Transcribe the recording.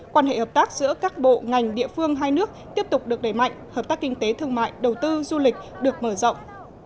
quan hệ hợp tác giữa các bộ ngành địa phương hai nước tiếp tục được đẩy mạnh hợp tác kinh tế thương mại đầu tư du lịch được mở rộng